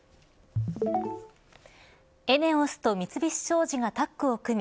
ＥＮＥＯＳと三菱商事がタッグを組み